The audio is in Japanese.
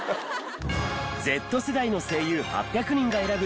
Ｚ世代の声優８００人が選ぶ！